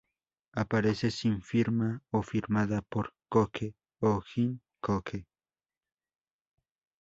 Aparece sin firma o firmada por Koke o Gin-Koke.